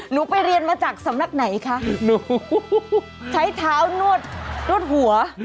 หนูไปเรียนมาจากสำนักไหนคะหนูใช้เท้านวดนวดหัว